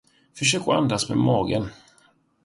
Försök att andas med magen.